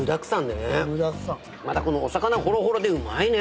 またこのお魚ほろほろでうまいね！